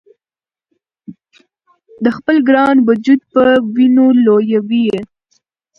د خپل ګران وجود په وینو لویوي یې